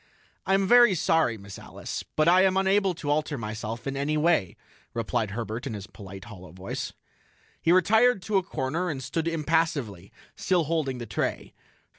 "I am very sorry, Miss Alice, but I am unable to alter myself in any way," replied Herbert in his polite, hollow voice. He retired to a corner and stood impassively, still holding the tray.